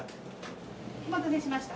お待たせしました。